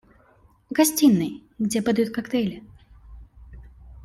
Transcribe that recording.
В гостиной, где подают коктейли.